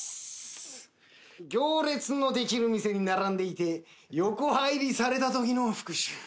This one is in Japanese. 行列のできる店に並んでいて横入りされたときの復讐。